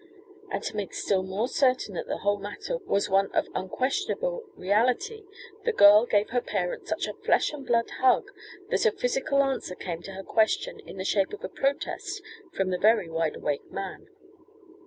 And, to make still more certain that the whole matter was one of unquestionable reality, the girl gave her parent such a flesh and blood hug that a physical answer came to her question in the shape of a protest from the very wideawake man.